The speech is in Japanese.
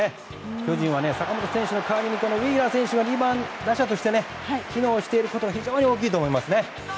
巨人は、坂本選手の代わりにこのウィーラー選手が２番打者で機能していることが非常に大きいです。